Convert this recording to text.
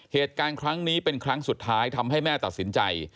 เหตุการณ์ครั้งนี้เป็นครั้งสุดท้ายทำให้แม่ตัดสินใจ